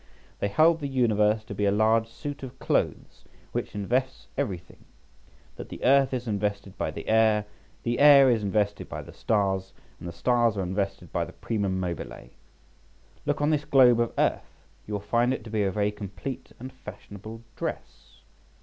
They held the universe to be a large suit of clothes which invests everything; that the earth is invested by the air; the air is invested by the stars; and the stars are invested by the Primum Mobile. Look on this globe of earth, you will find it to be a very complete and fashionable dress.